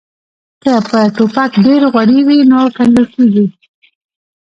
که په ټوپک ډیر غوړي وي نو کنګل کیږي